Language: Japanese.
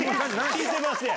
聞いてません。